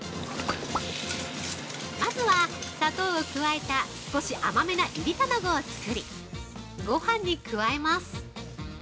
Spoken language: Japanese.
まずは、砂糖を加えた少し甘めな、いり卵を作りごはんに加えます。